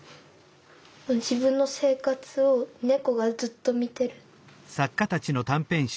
自分の生活を猫がずっと見てる。